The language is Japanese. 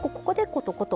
コトコト。